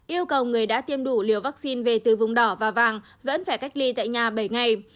yêu cầu người đã tiêm đủ liều vaccine về từ vùng đỏ và vàng vẫn phải cách ly tại nhà bảy ngày